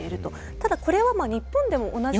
ただこれは日本でも同じような。